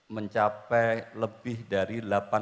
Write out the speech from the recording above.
mencapai lebih dari